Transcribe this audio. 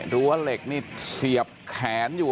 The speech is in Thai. รั้วเหล็กนี่เสียบแขนอยู่